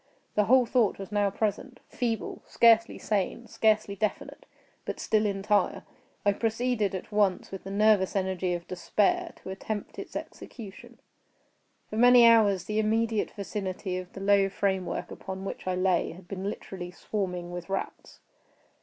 The whole thought was now present—feeble, scarcely sane, scarcely definite,—but still entire. I proceeded at once, with the nervous energy of despair, to attempt its execution. For many hours the immediate vicinity of the low framework upon which I lay had been literally swarming with rats.